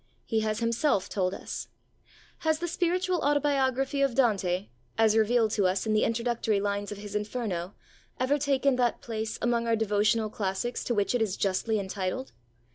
He has himself told us. Has the spiritual autobiography of Dante, as revealed to us in the introductory lines of his Inferno, ever taken that place among our devotional classics to which it is justly entitled?